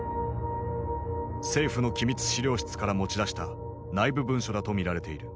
政府の機密資料室から持ち出した内部文書だと見られている。